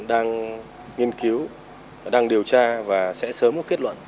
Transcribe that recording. đang nghiên cứu đang điều tra và sẽ sớm một kết luận